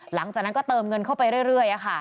หลังจากนั้นก็เติมเงินเข้าไปเรื่อย